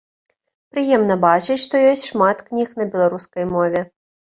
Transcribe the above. Прыемна бачыць, што ёсць шмат кніг на беларускай мове.